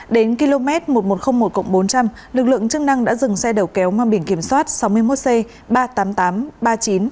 đến km một nghìn một trăm linh một bốn trăm linh lực lượng chức năng đã dừng xe đầu kéo mang biển kiểm soát sáu mươi một c ba mươi tám nghìn tám trăm ba mươi chín